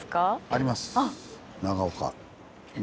あります長岡。